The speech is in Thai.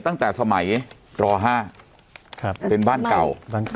ตั้งแต่สมัยร๕เป็นบ้านเก่า